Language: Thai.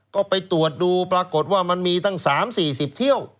ก็ไปตรวจดูปรากฏว่ามันมีตั้ง๓๔๐เที่ยว